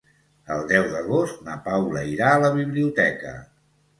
El deu d'agost na Paula irà a la biblioteca.